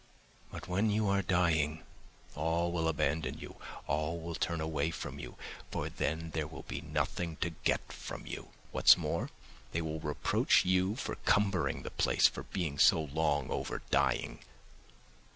But when you are dying, all will abandon you, all will turn away from you, for then there will be nothing to get from you. What's more, they will reproach you for cumbering the place, for being so long over dying.